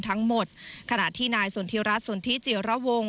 ทั้งหมดขณะที่นายส่วนที่รัฐส่วนที่เจียวระวง